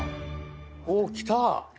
おっ来た！